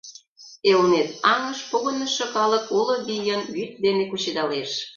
Элнет аҥыш погынышо калык уло вийын вӱд дене кучедалеш.